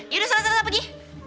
yaudah selesai selesai pergi